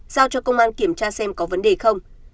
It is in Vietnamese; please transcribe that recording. giao cho công an kiểm tra xem có vấn đề không